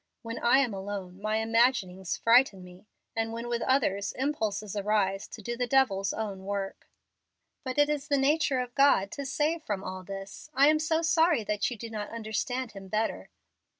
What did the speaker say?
When I am alone my imaginings frighten me; and when with others, impulses arise to do the devil's own work." "But it is the nature of God to save from all this. I am so sorry that you do not understand Him better."